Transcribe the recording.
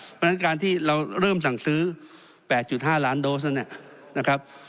เพราะฉะนั้นการที่เราเริ่มสั่งซื้อ๘๕ล้านโดสแล้วเนี่ยนะครับ